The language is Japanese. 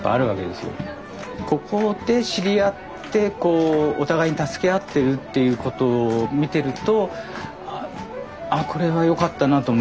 ここで知り合ってお互いに助け合ってるっていうことを見てるとあこれはよかったなって思いますね。